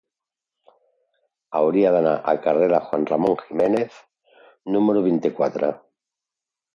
Hauria d'anar al carrer de Juan Ramón Jiménez número vint-i-quatre.